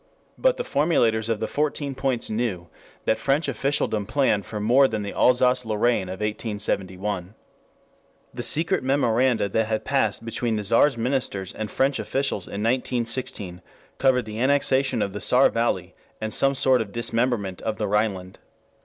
But the formulators of the Fourteen Points knew that French officialdom planned for more than the Alsace Lorraine of 1871. The secret memoranda that had passed between the Czar's ministers and French officials in 1916 covered the annexation of the Saar Valley and some sort of dismemberment of the Rhineland.